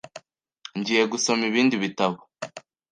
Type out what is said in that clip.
Ngiye gusoma ibindi bitabo.